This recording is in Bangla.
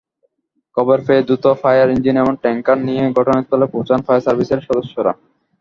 খবর পেয়ে দ্রুত ফায়ার ইঞ্জিন এবং ট্যাংকার নিয়ে ঘটনাস্থলে পৌঁছান ফায়ার সার্ভিসের সদস্যরা।